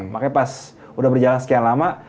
makanya pas udah berjalan sekian lama